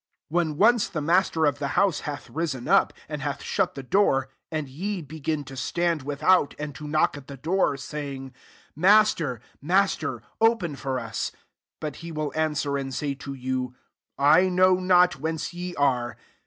25 " When once the master of the house hath risen up, and hath shut the door, and ye be rm to stand without, and to ktK>ck at the door, saying, * Master ! Master ! open for us. Btit he will answer, and say to fon, * I know not whence ye are.